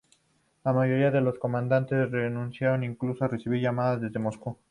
La mayoría de los comandantes rehusaron incluso recibir llamadas desde Moscú.